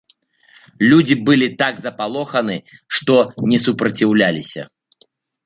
Людзі былі так запалоханы, што не супраціўляліся.